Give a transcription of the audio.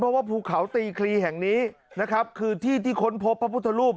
เพราะว่าภูเขาตีคลีแห่งนี้นะครับคือที่ที่ค้นพบพระพุทธรูป